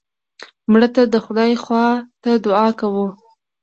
مړه ته د خدای خوا ته دعا کوو